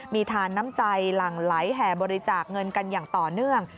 มีทานน้ำใจหลั่งไหลแห่บริจาคเงินกันอย่างต่อเนื่อง